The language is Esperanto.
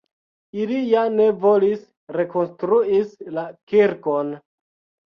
Ili ja ne volis rekonstruis la kirkon.